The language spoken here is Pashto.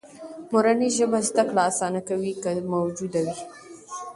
مورنۍ ژبه زده کړه آسانه کوي، که موجوده وي.